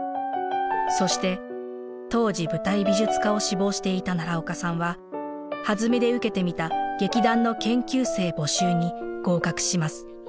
そして当時舞台美術家を志望していた奈良岡さんははずみで受けてみた劇団の研究生募集に合格します。